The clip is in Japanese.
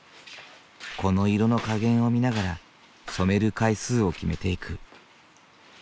この色の加減を見ながら染める回数を決めていく。